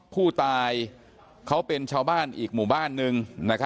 ผู้ตายเขาเป็นชาวบ้านอีกหมู่บ้านนึง